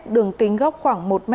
đường kính gốc khoảng một mươi năm m